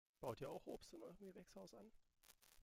Baut ihr auch Obst in eurem Gewächshaus an?